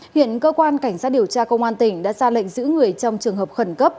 hiện cơ quan cảnh sát điều tra công an tỉnh đã ra lệnh giữ người trong trường hợp khẩn cấp